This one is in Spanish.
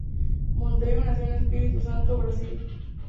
Monteiro nació en Espirito Santo, Brasil.